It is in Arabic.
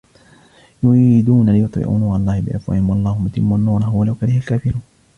يُرِيدُونَ لِيُطْفِئُوا نُورَ اللَّهِ بِأَفْوَاهِهِمْ وَاللَّهُ مُتِمُّ نُورِهِ وَلَوْ كَرِهَ الْكَافِرُونَ